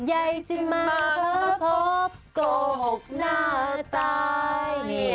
ใหญ่จึงมาพบโกหกหน้าตาย